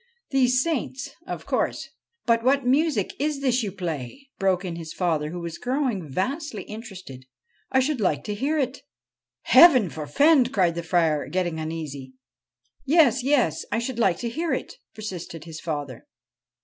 These saints, of course ' But what music is this you play ?' broke in his father, who was growing vastly interested. ' I should like to hear it.' ' Heaven forfend !' cried the Friar, getting uneasy. 4 Yes, yes ; I should like to hear it,' persisted his father.